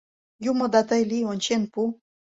Юмо да тый лий — ончен пу.